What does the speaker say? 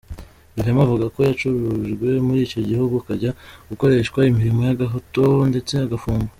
Rehema avuga ko yacurujwe muri icyo gihugu akajya gukoreshwa imirimo y’agahato ndetse agafungwa.